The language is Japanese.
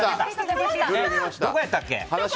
どこやったっけ？